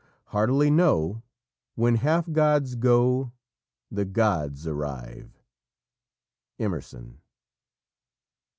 "Heartily know, When half gods go, The gods arrive." Emerson.